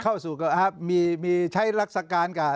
เข้าสู่กันครับมีใช้รักษาการ